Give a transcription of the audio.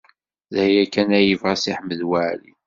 D aya kan ay yebɣa Si Ḥmed Waɛli.